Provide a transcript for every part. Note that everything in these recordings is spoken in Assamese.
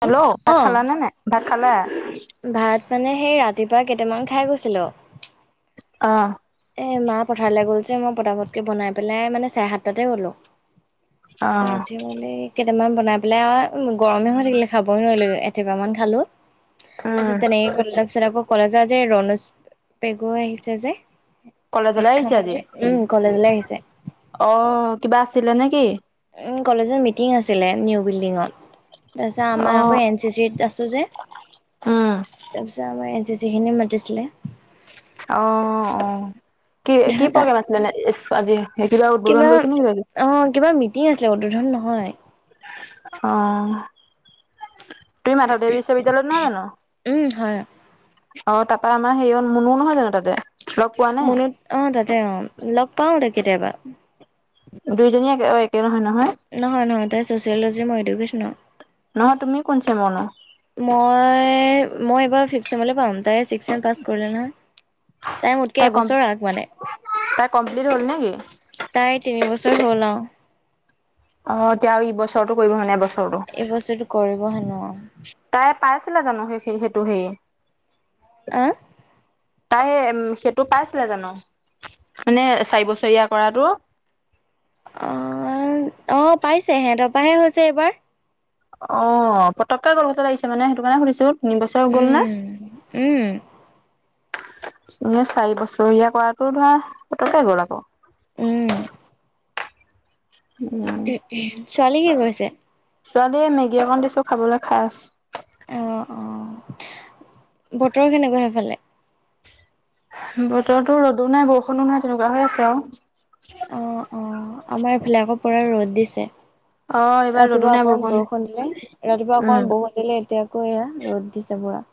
হেল্লো ভাত অ' খালা নে নাই? ভাত খালা? ভাত মানে সেই ৰাতিপুৱা কেইটামান খাই গৈছিলোঁ। অ এ মা পথাৰলৈ গ'লছে, মই পতাপতকে বনাই পেলাই মানে চাৰে সাতটাতে গ'লো। অ', উঠি মেলি কেইটামান বনাই পেলাই আৰু গৰমে হৈ থাকিলে খাব এ মান খালো উম, তাৰছত তেনেক তাৰপিছ আকৌ কলে পূজা যে, ৰনুজ পেগু আহিছে যে, কলেজলৈ আহিছে শিক্ষামন্ত্ৰী উম কলেজলৈ আহিছে অঁ, কিবা আছিলে নে কি? কলেজৰ মিটিং আছিলে, নিউ বিল্ডিঙৰ। তাৰপিছত আমাৰ আকৌ অ', এন চি চিতত আছো যে উম। তাৰপিছত আমাৰ এন চি চি খিনি মাতিছিলে। অ অ কি কি প্ৰগ্ৰেম আছিলেনে আজি। উদ্বোধন কিবা কৰিছে নে কিবি? অ কিবা মিটিং আছিলে উদদোধন নহয়। অঁ। তুমি মাধৱদেৱ বিশ্ববিদ্যয়ালয়ত নহয় জানো। উম হয় অ তাৰ পৰা আমাৰ সেইয় মুনু নহয় জানো তাতে। লগ পোৱা নে? মুনুত আহ তাতে অ লগ পাওতেই কেতিয়াবা। দুইজনী একে অ একে নহয় নহয়। নহয় নহয় তাই ছ'চিয়লজিৰ মই এডুকেছনৰ। নহয় তুমি কোন ছেমৰ নো? মই মই এইবাৰ ফিফথ ছেমলৈ পাম তাই ছিক্স ছেম পাছ কৰিলে নহয়। তাই মোতকে এবছৰ আগ মানে। তাই কমপ্লিট হ'ল নেকি? তাই তিনি বছৰ হ'ল আৰু। অতিয়াও এই বছৰো কৰিব ন নাই এই বছৰটো। এই বছৰটো কৰিব হে নোৱাৰোঁ। তাই পাইছিলে জানো সেই সেইটো সেই। আহ। তাই উ সেইটো পাইছিলে জানো? মানে চাৰি বছৰীয়া কৰাতটো। অঁ অঁ পাইছে হেতৰ পৰাহে হৈছে এইবাৰ। অ পতককে গলঘাটতে লাগিছে মানে সেইটো কাৰণে সুধিছো। তিন বছৰ গ'ল নে? উম উম ত চাৰি বছৰীয়া কৰাটো ধৰা পতকে গ'ল আকৌ। উম। উম ছোৱালী কি কৈছে? ছোৱালীয়ে মেগী অকণ দিছোঁ খাবলৈ খাই আছে। অঁ অঁ বতৰ কেনেকুৱা হেফালে? বতৰতো ৰ'দো নাই বৰষুণো নাই তেনেকুৱা হৈ আছে আৰু। অ অ আমাৰ এফালে আকৌ পুৰা ৰ'দ দিছে। অ এইবাৰ ৰ'দো ৰাতিপুৱা নাই অকমান বৰষুণ দিলে ৰাতিপুৱা উম অকমান বৰষুণ দিলে এতিয়া আকৌ এয়া ৰ'দ দিছে পুৰা।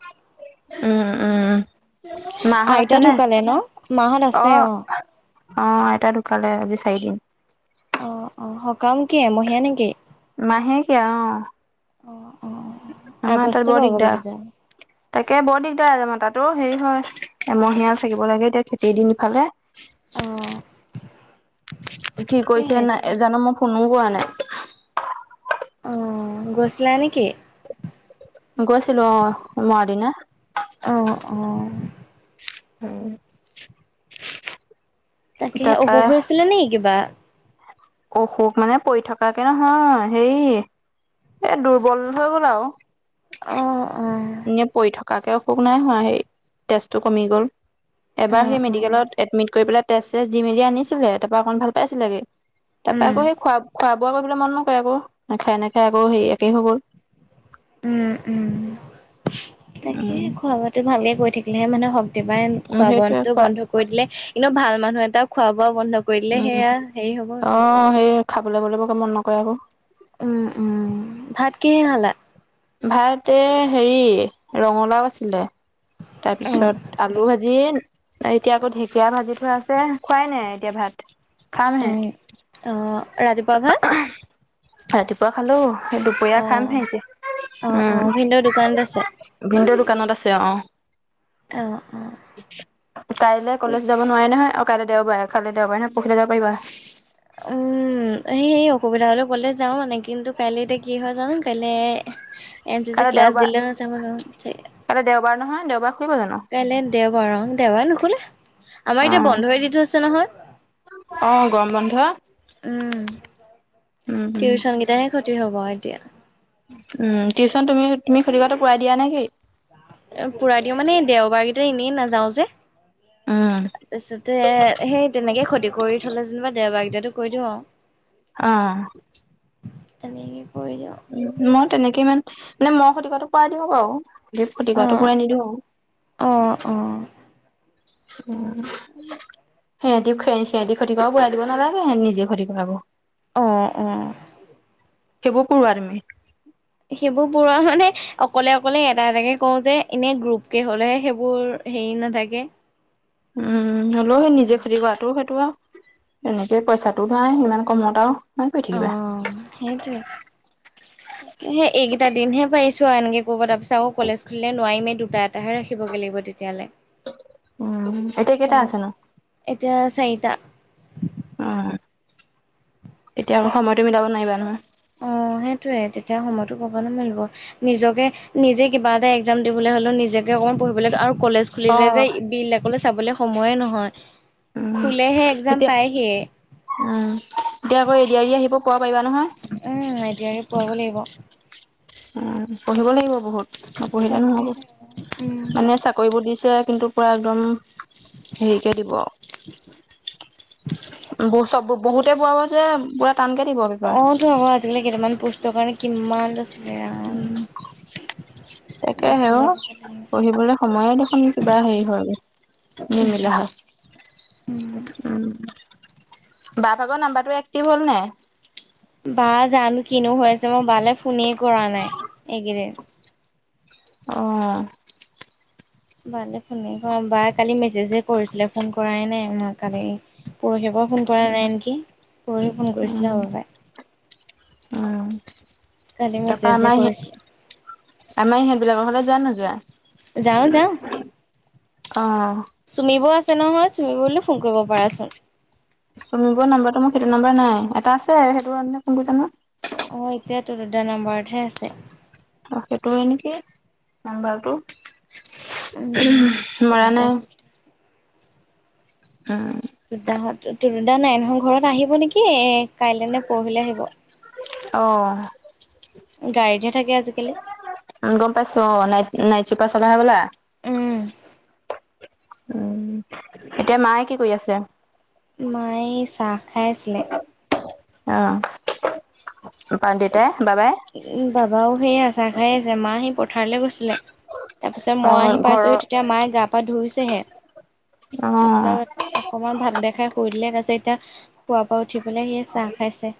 উম উম মাহত আছে আইতা নে ঢুকালে ন মাহত আছে অঁ। অঁ, আইতা ঢুকালে আজি চাৰিদিন। অ অ সকাম কি এমহীয়া নেকি? মাহেকীয়া অঁ, অ', অ', আমাৰ আগষ্ট তাত বৰ পাবগে দিগদাৰ। তেতিয়া। তাকে বৰ দিগদাৰ আ য ম তাতো হেৰি হয় এমহীয়া থাকিব লাগে এতিয়া খেতিৰ দিন ইফালে। অঁ। কি কৈছে নাই জানো মই ফোনও কৰা নাই। অঁ গৈছিলা নেকি? গৈছিলৈ অঁ, সোমোৱা দিনা। অঁ অঁ, উম। তাকে অসুখ হৈ আছিলে নে কিবা? অসুখ মানে পৰি থকাকে নহয় হে এ দুৰ্বল হৈ গল আৰু। অ অ এনে পৰি থকাকে অসুখ নাই হোৱা সেই তেজটো কমি গ'ল এবাৰ অ', সেই অ', মেডিকেলত এডমিট কৰি পেলাই তেজ চেজ দি মেলি আনিছিলে তাপা অকন ভাল পাইছিলেগে তাপা উম, আকৌ সেই খোৱা খোৱা বোৱা কৰিবলে মন নকৰে আকৌ নাখাই নাখাই আকৌ হেৰি একেই হৈ গ'ল উম উম তাকে উম খোৱা বোৱটো ভালকে কৈ থাকিলেহে মানে শক্তি পায় খোৱা সেইটোৱে বোৱা খোৱা বন্ধ কৰি দিলে কিন্তু ভাল মানুহ এটাও খোৱা বোৱা বন্ধ কৰি দিলে উম সেয়া হেৰি হ'ব অ সেই খাবলে ববলে বৰকে মন নকৰে আকৌ উম উম ভাত কিহে খালা ভাত এ হেৰি ৰঙালাও আছিলে উম তাৰপিছত আলু ভাজি এতিয়া আকৌ ঢেঁকীয়া ভাজি থোৱা আছে খোৱাই নাই এতিয়া ভাত খামহে, অ অ ৰাতিপুৱা ভাত ৰাতিপুৱা খালো সে দুপৰীয়া অ খামহে এতিয়া অ উম। অ ভিনিদেউৰ দোকানত আছে ভিনদেউ দোকানত আছে অ অ অ কাইলে কলেজ যাব নোৱাৰে নহয় অ কাইলে দেওবাৰাৰে কাইলে দেওবাৰে নহয় পৰখিলে যাব পাৰিবা অ উম সেই সেই অসুবিধা হ'লে গ'লে যাওঁ মানে কিন্তু কাইলে এতিয়া কি হয় জানো কাইলে এন চি চি ক্লাছ দিলে যাব নোৱাৰিম চাগে কাইলে দেওবাৰ নহয় দেওবাৰ খুলিব জানো কাইলে দেওবাৰ অ দেওবাৰে নুখোলে আমাৰ এতিয়া অ', বন্ধই দি থৈছে নহয় অ', গৰম বন্ধ। উম উম, উম, টিউচন কেইটা সে ক্ষতি হ'ব এতিয়া উম টিউচন তুমি তুমি ফ্ৰিকাটো কৰাই দিয়া নে কি পোৰাই দিওঁ মানে দেওবাৰকেইটা এনেই নাযাওঁ যে উম, তাৰপিছতে সেই তেনেকে ক্ষতি কৰি থলে যেনিবা দেওবাৰকেটাতো কৈ দিওঁ আও অ আমি এনেকে কৰি দিওঁ উম মই তেনেকে ইমান মানে মই খতি কাৰাটো কৰাই দিওঁ বাৰু খতি অ কৰাটো পূৰাই নিদিও আও অ উম উম সিহঁতি সিহঁতি খতিকৰাটো পুৰাই দিব নালাগে সিহঁত নিজে খতিকৰাব অ অ সেইবোৰ কৰোৱা তুমি সেইবোৰ পৰুৱা মানে অকলে অকলে এটা এটাকে কও যে এনে গ্ৰুপকে হলেহে সেইবোৰ হেৰি নাথাকে উম হ'লেও সেই নিজে খতি কৰাটো সেইটো বাও এনেকে পইচাটো নোৱাই ইমান কমত আও অ সেইটোৱে [inaudible] সেই এইকেইটা দিন হে পাইছো এনকে কৰিব তাৰ পিছত আও কলেজ খুলিলে নোৱাৰিমেই দুটা এটাহে ৰাখিবগে লাগিব তেত তিয়ালে উম এতিয়া কেইটা আছে নো এতিয়া চাৰিটা ওঁম এতিয়া আকৌ সময়তটো মিলাব নোৱাৰিবা নহয় অঁ সেইটোয়ে তেতিয়া সময়তো ক'ব নোৱাৰিব নিজকে নিজে কিবা এটা একজাম দিবলৈ হ'লেও নিজকে অকমান পঢ়িব লাগে আৰু কলেজ অ খুলিলে যে বিলাকলৈ চাবলৈ সময়ে নহয় খোলেহে একজাম পায়হিয়ে। উমঁ এতিয়া আকৌ এড আৰি আহিব পোৱা পাৰিবা নহয়। উমঁ! এডিয়েৰি পোৱাব লাগিব। উমঁ পঢ়িব লাগিব বহুত নপঢ়িলে তাকে নহ'ব উম। মানে চাকৰি কৰিব দিছে কিন্তু পুৰা একদম হেৰি কে দিব বোৰ ছববোৰ বহুতে বোৱাব যে পুৰা টানকে দিব পেপাৰ অ', তো আকৌ আজিকালি কেইটামান পুষ্টৰ কাৰণ কিমান লৈছিলে ৰাম। উমঁ একে হেও দেখিলে ক'ব লাগিব পঢ়িবলৈ সময়ে দেখোন কিবা হেৰি হয়গে নিমিলা হয় উমঁ। বা ভাগৰ নাম্বাৰটো এক্টিভ হ'ল নাই বা জানো কিনো হৈ আছে মই বালে ফোনে কৰা নাই এইকেইদিন। অঁহ বালে ফোনে কৰা নাই কালি মেছেজে কৰিছিলে ফোন কৰাই নাই মই কালি পৰহিৰ পৰা ফোন কৰা নাই নেকি পৰহি ফোন কৰিছিলে আৰু বাই উমঁ কালি টকা মেছেজে নাই কৰিছিলে আমী সেইবিলাকৰ হলে যোৱা নোযোৱা যাওঁ যাওঁ। অ চুমি বৌউ আছে নহয় চুমি বৌউলে ফোন কৰিব পাৰাচোন। চুমি বৌউ নাম্বাৰটো মোৰ সটো নাম্বাৰ নাই এটা আছে সেইটো নাম্বাৰ না কোনটো জানো অঁ এতিয়াটো দুটা নম্বাৰৰতহে আছে অঁ সেইটোৱে নেকি নাম্বাৰটো ওচচ উম ওহোঁ মৰা তুলুদা নাই উমঁ! দেউতা হত নহলে এইখন ঘৰত আহিব নেকি এ কাইলে নে পৰহিলে আহিব অঁ গাড়ীতহে থাকে আজিকালি উমঁ গম পাইছো অ নাই নাইট চুপাৰ চলাই হ'বলা। উমঁ! উমঁ! এতিয়া মায়ে কি কৰি আছে? মায়ে চাহ খাই আছিলে্ অঁ তাপা দেউতাই বাবাই বাবাও সেই চাহ খাই আছে মা সেই পথাৰলৈ গৈছিলে তাৰপিছত মই আহি অ', ঘৰৰ পাইছোঁহি অ', তেতিয়া মায়ে গা পা ধইছেহে তাৰপিছত অকমান ভাত দেখাই শুই দিলে তাৰ পাছত এতিয়া খোৱাৰ পৰা উঠি পেলাই সি চাহ খাইছে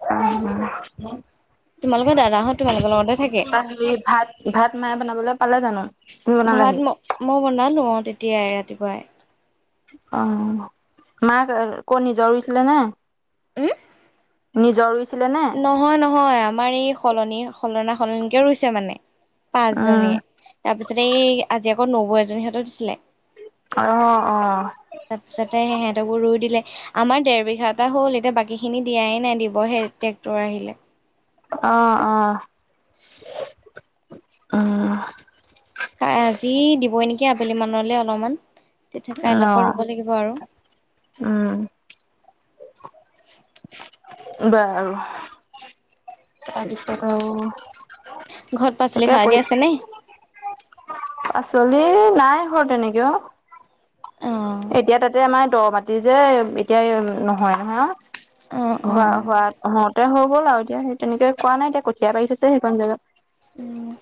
অঁ তোমালোকৰ দাদাহত তোমালোক লগতে থাকে কিবা কিবি ভাত ভাত মায়ে বনাবলৈ পালে জানো তুমি ভাত বনালোহি ম মই বনালোঁ অ তেতিয়াই ৰাতিপুৱাই অঁ মাক ক নিজৰ ৰুইছিলে নে উমঁ! নিজৰ ৰুইছিলে নে? নহয় - নহয়, আমাৰ এই সলনি সলনা সলনিকে ৰুইছে মানে পাঁচ উম, জনীয়ে তাৰপিছতে এই আজি আকৌ নৌবৈ এজনী সিহঁতেও দিছিলে অ' তাৰপিছতে সেই হঁতকো ৰুই দিলে আমাৰ দেৰ বিঘা এটা হ'ল এতিয়া বাকীখিনি দিয়াই নাই দিব হে টেক্টৰ আহিলে অ', অ', অ' তাই আজি দিবই নেকি আবেলি মানলৈ অলপমান তেতিয়া কাইলৈৰ পৰা অ', ৰুব লাগিব আৰু উম বা আৰু তাৰপিছত আৰু ঘৰত পাচলি এতিয়া খাৰ দি পৰি আছেনে পাচলি নাই ঘৰত তেনেকে অ', অ এতিয়া তাতে আমাৰ দহ মাটি যে এতিয়া নহয় নহয় অ অ হোৱা হোৱা, হওঁতে হৈ গ'ল আৰু এতিয়া, সেই তেনেকে কোৱা নাই এতিয়া কঠীয়া পাৰি থৈছে সেইখন জেগাত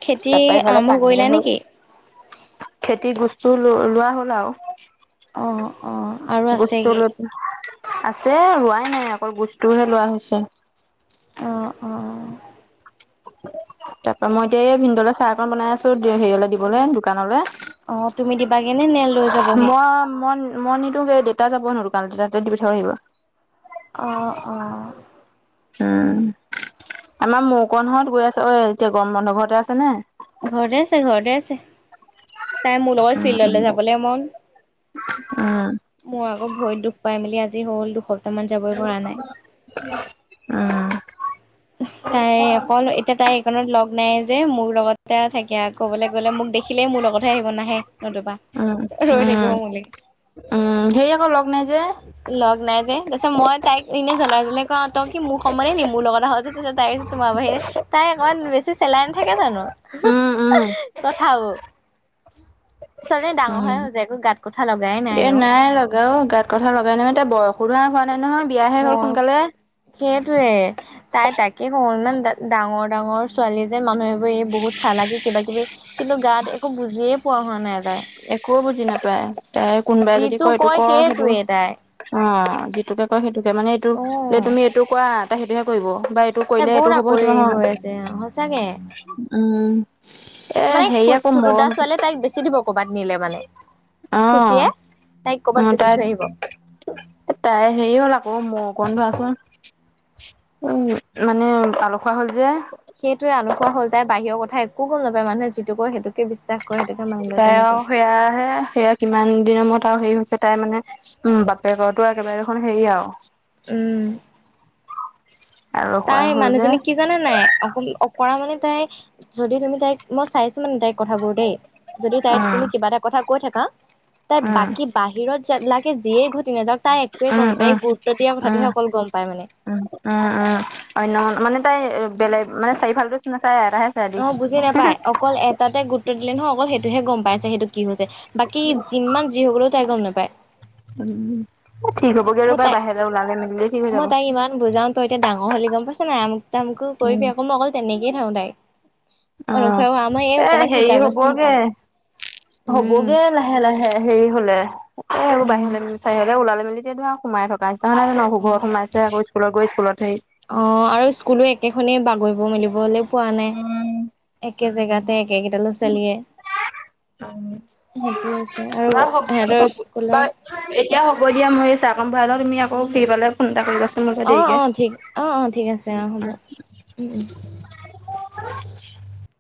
খেতি তাৰপা ইফালে আৰম্ভ কৰিলা পানীয়ে হল নেকি খেতি বস্তু লো লোৱা হ'ল আৰু অ অ আৰু বসস্তু আছেগৈ ল' আছে হোৱাই নাই আকৌ বস্তুহে লোৱা হৈছে উম, উম, তাৰ পৰা মই এতিয়া এই ভিনদলৈ চাহ অকন বনাই আছো হেৰিয়লে দিবলৈ দোকানলৈ অ', তুমি দিবাগেনে নে লৈ যাবহি মই - মই - মই, নিদোগে দেতা যাব নো দোকান, তেতিয়া দি থৈ আহিব অ' অ' উম, আমাৰ মৌকণহৰত গৈ আছে ঐ এতিয়া গৰম বন্ধ ঘৰতে আছে নে? ঘৰতে আছে ঘৰতে আছে তাই মো লগত ফিল্ডলৈ উম যাবলৈ মন উম মোৰ আকৌ ভৰিত দুখ পাই মেলি আজি হ'ল দুসপ্তাহ মান যাবই পৰা নাই। উম, উম। তাই অকল এতিয়া তাই এইখনত লগ নাই যে মোৰ লগতে থাকে ক'বলৈ গ'লে মোক দেখিলেই মোৰ লগতহে আহিব নাহে নতুবা উম, ৰৈ থাকিব উম, মোলে। উম, সেই আকৌ লগ নাই যে লগ নাই যে, তাৰপিছত মই তাইক এনে জ্বলাই জ্বলাই কও তই কি মোক সময় নি মোৰ লগত আহ তাই তোমাৰ বাহিৰে তাই অকমান বেছি চেলাই নাথাকে জানো উম, উম, কথাও, ছোৱালীজনী ডাঙৰ হৈ উম, হৈছে একো গাত কথা লগাই এ নাই লগাই অ' গাত কথা লগাই নহয় তাই বয়সো নাই হোৱা নাই নহয় বিয়াহে হ'ল মই সোনকালে সেইটোৱে তাই তাকে কওঁ ইমান ডাঙৰ ডাঙৰ ছোৱালী যে মানুহবোৰে বহুত চালাকি কিবা কিবি। কিন্তু গাত একো বুজিয়ে পোৱা হোৱা নাই তাই একো বুজি নাপায় তাই কোনোবাই যদি যিটো কয় এইটো কৰ সেইটো সেইটোৱে তাই অ' যিটোকে কয় সেইটোকে মানে এইটো অ যে তুমি এইটো কোৱা তাই সেইটোহে কৰিব বা এইটো তাই কৰিলে এইটো বহুত হ'ব সেইটো আকৰি নহয় হৈ আছে সঁচাকে উম, এ মানে হেৰি আকৌ থুতুৰ দা মৰম ছোৱালীয়ে তাইক বেচি দিব কৰবাত নিলে মানে অ, খুচিয়ে তাইক অ, কৰ'বাত বেচি তাই থৈ আহিব তাই হেৰি হ'ল আকৌ মই অকণ ধোৱাচোন উম, মানে আলু খুৱা হ'ল যে সেইটোৱে আলু খুৱা হল তাই বাহিৰৰ কথা একো গম নাপায় মানুহে যিটো কই সেইটো কি বিশ্বাস কৰে সেইটোকে মানি লয় তাই আও তেনেকুৱা সেয়াহে সেয়া কিমান দিনৰ মূৰত আৰু হেৰি হৈছে তাই মানে উম বাপেকৰতো একেবাৰে দেখোন হেৰি আও উম। তাই ৰখুৱাই হ'ল যে মানুহজনীক কি জানে নাই? অকন অকৰা মানে তাই যদি তুমি তাইক মই চাইছো মানে তাইক কথাবোৰ দেই, যদি তাইক উম তুমি কিবা এটা কথা কৈ থাকা তাত উম বাকী বাহিৰত লাগে যিয়ে ঘটি নাযাওক তাই একোৱেই গম উম নাপায় উম এই গুৰুত্ব দিয়া কথাটোহে উম অকল গম পায় মানে। উম উম উম অন্য মানে তাই বেলেগ মানে চাৰিফালটো নাচাই এটাহে চাই দি অ বুজি নেপাই, অকল এটাতে গুৰুত্ব দিলে নহয় অকল সেইটোহে গম পাইছে সেইটো কি হৈছে। বাকী যিমান যি হৈগলেও তাই গম নেপায়। উম ঠিক হবগে মই ৰ'বা তাই বাহিৰলে ওলালে মেলিলে ঠিক হৈ মই যাব। তাইক ইমান বুজাও তই এতিয়া ডাঙৰ হলি গম পাইছা নাই, আমুক তামুকো উম কৰিবি আকৌ মই অকল তেনেকেই কৈ থাকোঁ তাইক। অ অনুপ খুৰাই কয় আমাক এই এ অকমান হেৰি হব শিকাবাচোন গে শিকাবা উম হ'বগে লাহে লাহে হেৰি হলে, এ আৰু উম বাহিৰলে চাৰিওফালে ওলালে মেলিছে টো আও সোমাই থকা নিচনা [unintelligible] [inaudible] ঘৰত অ', সোমাইছে আকৌ স্কুলত গৈ স্কুলত সেই অ আৰু স্কুলো একেখনেই বাগৰিব মেলিবলে। পোৱা নাই উম একে জেগাতে উম একেগেইটা লৰা ছোালীয়ে। সেইটো হৈছে আৰু বা হ'ব সিহঁতৰ হ'ব বা স্কুলৰ এতিয়া হ'ব দিয়া মই এই চাহ কণ ভৰাই লওঁ, তুমি আকৌ ফ্ৰী পালে ফোন এটা কৰিবাচোন মোক। অ অ ঠিক অ অ ঠিক আছে অ হ'ব উম উম্। [inaudible]